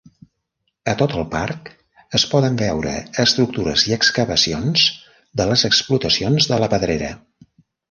A tot el parc es poden veure estructures i excavacions de les explotacions de la Pedrera.